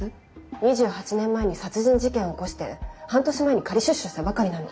２８年前に殺人事件を起こして半年前に仮出所したばかりなの。